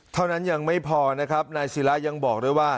เท่านั้นยังไม่พอนะครับนายศิลายังบอกด้วยว่า